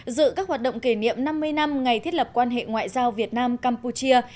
dự các hoạt động kỷ niệm năm mươi năm ngày thiết lập quan hệ ngoại giao việt nam campuchia